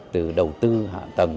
từ đầu tư hạ tầng